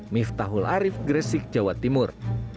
miftahul arief gresik jawa timur